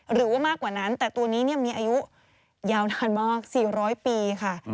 หรือว่ามากกว่านั้นแต่ตัวนี้มีอายุยาวนานมาก๔๐๐ปีค่ะ